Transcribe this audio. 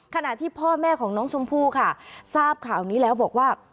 ขณะที่พ่อแม่ของน้องชมพู่ค่ะทราบข่าวนี้แล้วบอกว่า